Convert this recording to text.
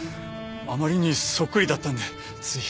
あまりにそっくりだったんでつい。